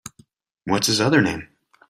What’s his other name?